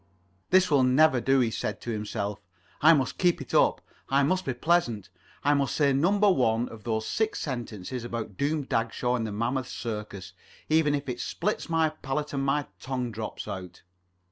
"This will never do," he said to himself. "I must keep it up. I must be pleasant. I must say number one of those six sentences about Doom Dagshaw and the Mammoth Circus, even it if splits my palate and my tongue drops out."